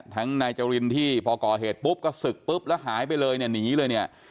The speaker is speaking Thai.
นายจรินที่พอก่อเหตุปุ๊บก็ศึกปุ๊บแล้วหายไปเลยเนี่ยหนีเลยเนี่ย